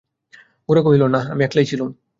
গোরা কহিল, না, আমি একলাই ছিলুম।